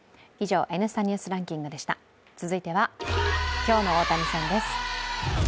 続いては、今日の大谷さんです。